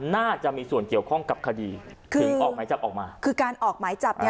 น่าจะมีส่วนเกี่ยวข้องกับคดีถึงออกหมายจับออกมาคือการออกหมายจับเนี่ย